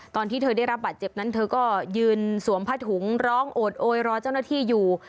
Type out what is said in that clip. ตอนที่เธอได้รับบาดเจ็บนั้นเธอก็ยืนสวมผ้าถุงร้องโอดโอยรอเจ้าหน้าที่อยู่